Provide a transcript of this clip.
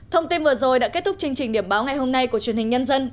thông tin vừa rồi đã kết thúc chương trình điểm báo ngày hôm nay của truyền hình nhân dân